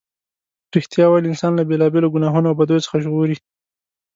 رښتیا ویل انسان له بېلا بېلو گناهونو او بدیو څخه ژغوري.